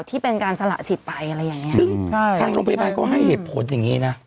ที่เป็นการสละสิทธิ์ไปอะไรอย่างเงี้ซึ่งใช่ทางโรงพยาบาลก็ให้เหตุผลอย่างงี้นะ